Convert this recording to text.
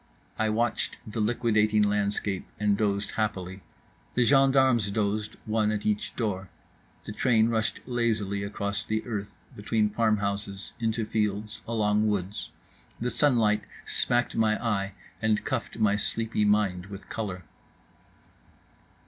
I watched the liquidating landscape and dozed happily. The gendarmes dozed, one at each door. The train rushed lazily across the earth, between farmhouses, into fields, along woods … the sunlight smacked my eye and cuffed my sleepy mind with colour.